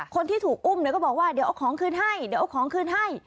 คนที่ถูกอุ้มเนี่ยก็บอกว่าเดี๋ยวเอาของคืนให้เดี๋ยวเอาของคืนให้